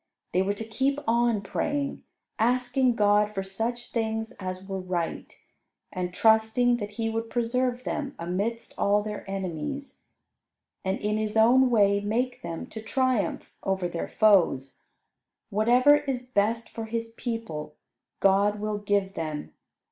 They were to keep on praying; asking God for such things as were right, and trusting that He would preserve them amidst all their enemies; and in His own way make them to triumph over their foes. Whatever is best for His people, God will give them.